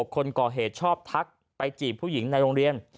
คนก่อเหตุชอบทักไปจีบผู้หญิงในโรงเรียน